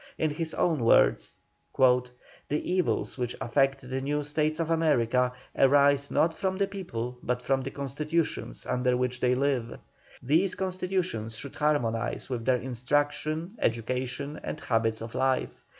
In his own words: "The evils which afflict the new States of America arise not from the people, but from the Constitutions under which they live. These Constitutions should harmonise with their instruction, education, and habits of life.